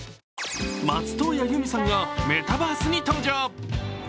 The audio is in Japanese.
松任谷由実さんがメタバースに登場。